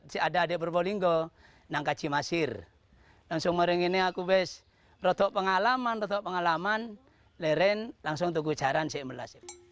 sejak usia lima belas tahun mister mengabdi pada juraganiknya